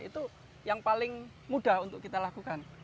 itu yang paling mudah untuk kita lakukan